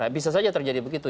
bisa saja terjadi begitu